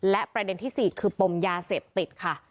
และประเด็นที่๔คือปมยาเสพติดค่ะ